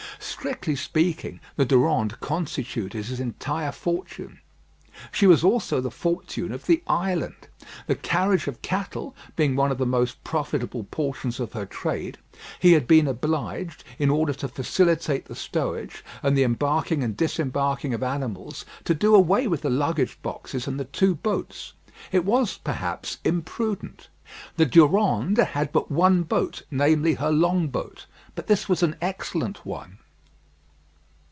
Strictly speaking, the Durande constituted his entire fortune. She was also the fortune of the island. The carriage of cattle being one of the most profitable portions of her trade, he had been obliged, in order to facilitate the stowage, and the embarking and disembarking of animals, to do away with the luggage boxes and the two boats. It was, perhaps, imprudent. The Durande had but one boat namely, her long boat; but this was an excellent one.